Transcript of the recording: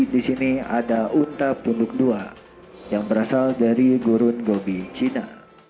di sini ada unta punduk dua yang berasal dari gurun gobi cina